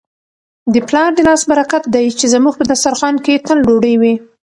د پلار د لاس برکت دی چي زموږ په دسترخوان کي تل ډوډۍ وي.